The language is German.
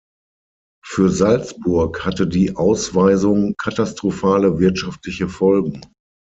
Für Salzburg hatte die Ausweisung katastrophale wirtschaftliche Folgen.